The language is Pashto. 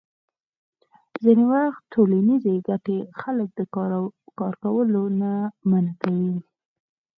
ځینې وخت ټولنیزې ګټې خلک د کار کولو نه منع کوي.